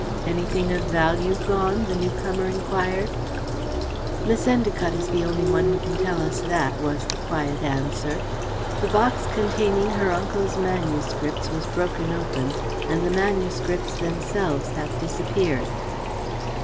"Anything of value gone?" the newcomer enquired. "Miss Endacott is the only one who can tell us that," was the quiet answer. "The box containing her uncle's manuscripts was broken open and the manuscripts themselves have disappeared."